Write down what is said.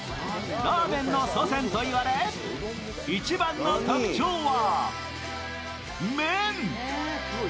ラーメンの祖先といわれ一番の特徴は麺。